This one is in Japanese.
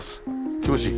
気持ちいい。